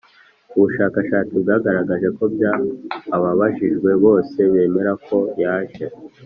Ubushakashatsi bwagaragaje ko byaa ababajijwe bose bemera ko yaje